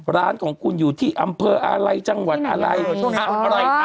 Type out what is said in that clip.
ร้านของคุณอยู่ที่อำเภออะไรจังหวัดอะไร